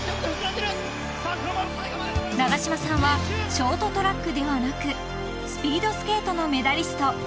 ［長島さんはショートトラックではなくスピードスケートのメダリスト］